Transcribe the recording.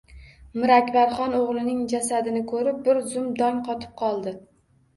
Mir Akbarxon o’g’lining jasadini ko’rib, bir zum dong qotib qoldi.